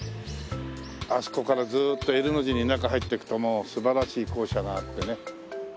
あそこからずーっとＬの字に中入っていくともう素晴らしい校舎があってね。